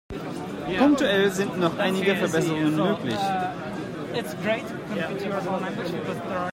Punktuell sind noch einige Verbesserungen möglich.